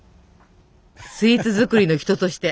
スイーツ作りの人として。